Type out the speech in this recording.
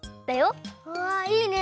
うわいいね！